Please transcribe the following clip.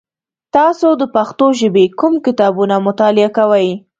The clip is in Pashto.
تاسو د پښتو ژبې کوم کتابونه مطالعه کوی؟